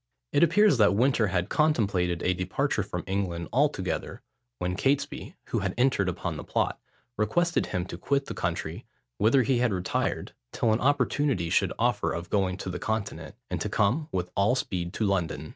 It appears that Winter had contemplated a departure from England altogether, when Catesby, who had entered upon the plot, requested him to quit the country, whither he had retired, till an opportunity should offer of going to the Continent, and to come with all speed to London.